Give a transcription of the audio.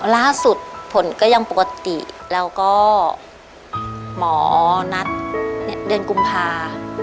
ล่าสุดผลก็ยังปกติแล้วก็หมอนัดเดือนกุมภา